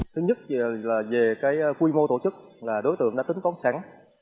thứ nhất là về quy mô tổ chức là đối tượng đã tính có sẵn